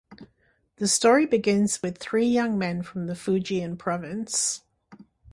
The story begins with three young men from the Fujian province.